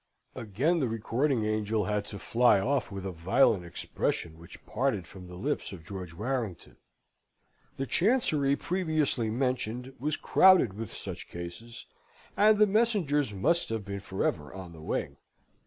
Again the recording angel had to fly off with a violent expression, which parted from the lips of George Warrington. The chancery previously mentioned was crowded with such cases, and the messengers must have been for ever on the wing.